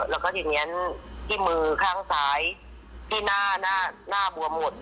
แล้วก็ทีนี้ที่มือข้างซ้ายที่หน้าหน้าบวมหมด